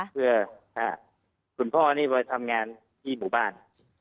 เพื่อคุณพ่อนี่ไปทำงานที่หมู่บ้าน